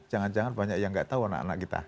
jangan jangan banyak yang gak tau anak anak kita